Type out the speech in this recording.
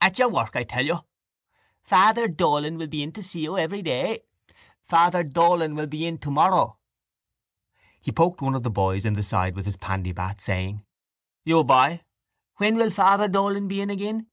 At your work, I tell you. Father Dolan will be in to see you every day. Father Dolan will be in tomorrow. He poked one of the boys in the side with his pandybat, saying: —You, boy! When will Father Dolan be in again?